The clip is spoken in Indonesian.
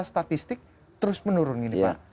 statistik terus menurun ini pak